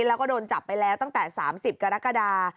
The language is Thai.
แล้วก็โดนจับไปแล้วตั้งแต่๓๐กรกฎา